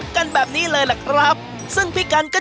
ของปรุงรสต่าง